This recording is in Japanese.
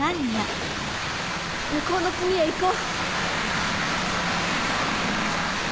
向こうの隅へ行こう。